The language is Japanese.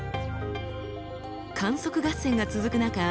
観測合戦が続く中